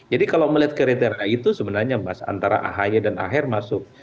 jadi kalau melihat kriteria itu sebenarnya mas antara ahy dan ahyr masuk